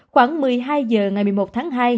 khoảng một mươi hai h ngày một mươi một tháng hai